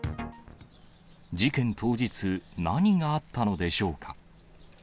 事件当日、何があったのでしょうか。